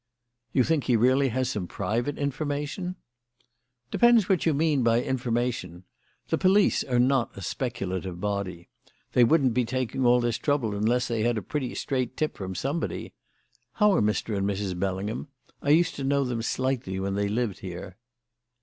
"You think he really has some private information?" "Depends upon what you mean by 'information.' The police are not a speculative body. They wouldn't be taking all this trouble unless they had a pretty straight tip from somebody. How are Mr. and Miss Bellingham? I used to know them slightly when they lived here."